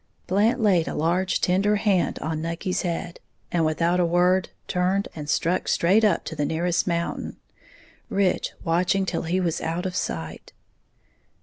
Blant laid a large, tender hand on Nucky's head, and without a word, turned and struck straight up the nearest mountain, Rich watching till he was out of sight.